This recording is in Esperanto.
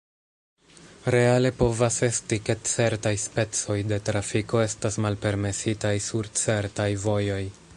Reale povas esti, ke certaj specoj de trafiko estas malpermesitaj sur certaj vojoj.